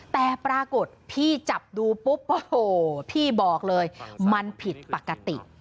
แต่ปรากฏพี่จับดูปุ๊บโอ้โหพี่บอกเลยมันผิดปกติ